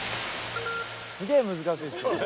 すげえ難しいです。